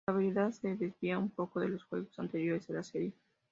La jugabilidad se desvía un poco de los juegos anteriores de la serie.